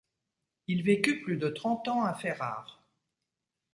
Il vécut plus de trente ans à Ferrare.